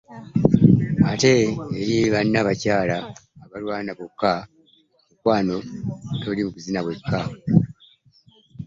Ate eri ba nnabakyala abarwana bokka, mukwano toil mu kuzina wekka .